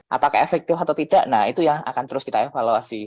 apakah efektif atau tidak nah itu yang akan terus kita evaluasi